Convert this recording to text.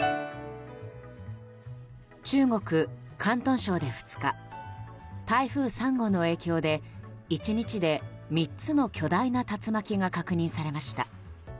中国・広東省で２日台風３号の影響で、１日で３つの巨大な竜巻が確認されました。